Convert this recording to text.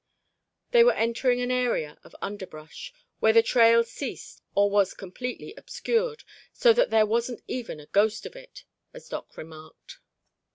They were entering an area of underbrush, where the trail ceased or was completely obscured, so that there wasn't even a ghost of it, as Doc remarked.